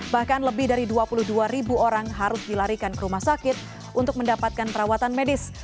bahkan lebih dari dua puluh dua ribu orang harus dilarikan ke rumah sakit untuk mendapatkan perawatan medis